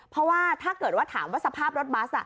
เพราะว่าถ้าเกิดว่าถามว่าสภาพรถบัส